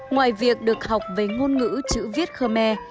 ngoài việc được học về ngôn ngữ chữ viết khơ me